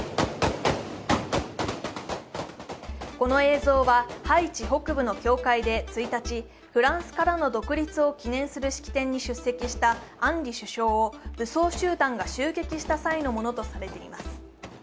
この映像はハイチ北部の教会で１日フランスからの独立を記念する式典に出席したアンリ首相を武装集団が襲撃した際のものとされています。